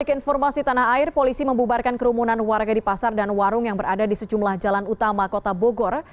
untuk informasi tanah air polisi membubarkan kerumunan warga di pasar dan warung yang berada di sejumlah jalan utama kota bogor